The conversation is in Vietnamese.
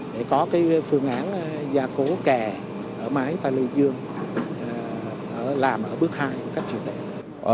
để có cái phương án gia cố kè ở máy tài lưu dương làm ở bước hai một cách truyền đề